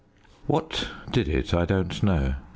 What did it I don't know.